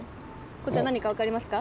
こちらなにかわかりますか？